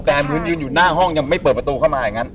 พื้นยืนอยู่หน้าห้องยังไม่เปิดประตูเข้ามาอย่างนั้น